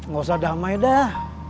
gak usah damai dah